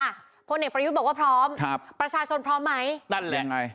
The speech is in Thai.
พลเอกประยุทธ์บอกว่าพร้อมครับประชาชนพร้อมไหมนั่นแหละไง